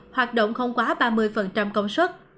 hoạt động không quá ba mươi công suất